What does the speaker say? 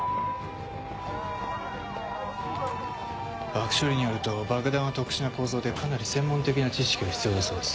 爆処理によると爆弾は特殊な構造でかなり専門的な知識が必要だそうです。